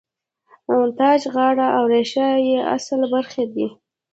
تاج، غاړه او ریښه یې اصلي برخې دي.